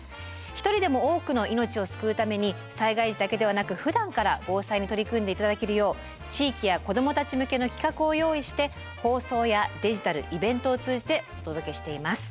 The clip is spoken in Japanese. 一人でも多くの命を救うために災害時だけではなくふだんから防災に取り組んで頂けるよう地域や子どもたち向けの企画を用意して放送やデジタルイベントを通じてお届けしています。